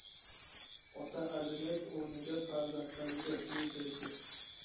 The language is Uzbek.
Ota aliment o‘rniga farzandlariga uy berdi